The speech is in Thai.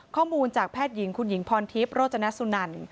ข้อมูลจากแพทย์หญิงคุณหญิงพรทิพย์โรจนสุนัน